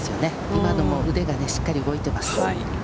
今のも腕がしっかり動いています。